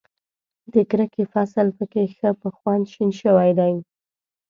د کرکې فصل په کې ښه په خوند شین شوی دی.